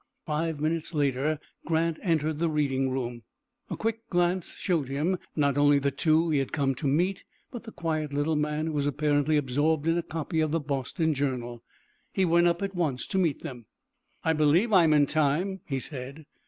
Five minutes later Grant entered the reading room. A quick glance showed him, not only the two he had come to meet, but the quiet, little man who was apparently absorbed in a copy of the Boston Journal. He went up at once to meet them. "I believe I am in time," he said.